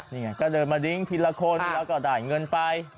นี่ไงก็เดินมาดิ้งทีละคนแล้วก็ได้เงินไป